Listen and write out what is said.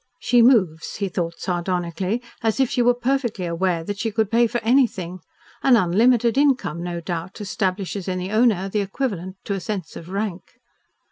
"She moves," he thought sardonically, "as if she were perfectly aware that she could pay for anything. An unlimited income, no doubt, establishes in the owner the equivalent to a sense of rank."